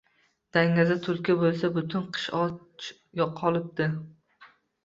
Dangasa Tulki bo’lsa butun qish och qolibdi